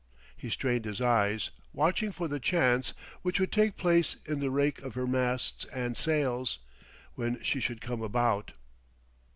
He strained his eyes, watching for the chance which would take place in the rake of her masts and sails, when she should come about.